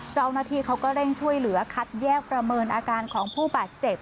เจ้าหน้าที่เขาก็เร่งช่วยเหลือคัดแยกประเมินอาการของผู้บาดเจ็บ